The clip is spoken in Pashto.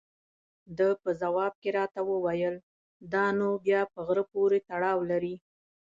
ده په ځواب کې راته وویل: دا نو بیا په غره پورې تړاو لري.